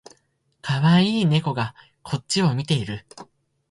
かわいい猫がこっちを見ている